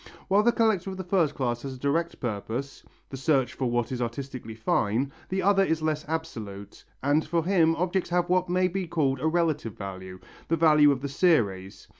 While the collector of the first class has a direct purpose the search for what is artistically fine, the other is less absolute, and for him objects have what may be called a relative value, the value of the series.